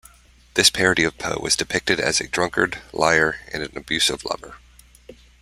This parody of Poe was depicted as a drunkard, liar, and an abusive lover.